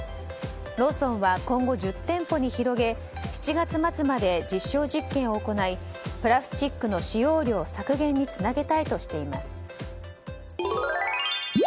ローソンは今後１０店舗に広げ７月末まで実証実験を行いプラスチックの使用量削減につなげたいとしています。